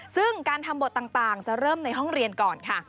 ซึ่งการทำบทต่างจะเริ่มในห้องเรียนก่อนค่ะ